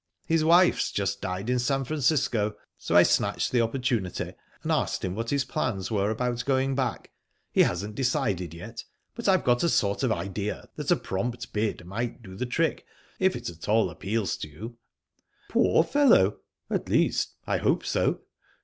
His wife's just died in San Francisco, so I snatched the opportunity and asked him what his plans were about going back. He hasn't decided yet, but I've got a sort of idea that a prompt bid might do the trick, if it at all appeals to you." "Poor fellow! At least, I hope so...